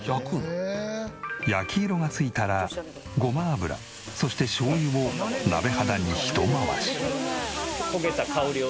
焼き色が付いたらごま油そしてしょうゆを鍋肌にひと回し。